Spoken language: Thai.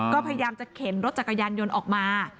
ก็พยายามจะเข็นรถจักรยานยนต์ออกมา